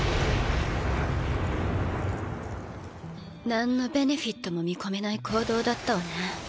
なんのベネフィットも見込めない行動だったわね